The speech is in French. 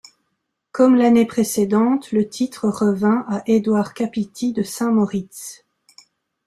Comme l'année précédente, le titre revint à Eduard Capiti, de Saint-Moritz.